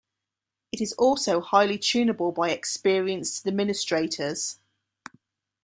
It is also highly tunable by experienced administrators.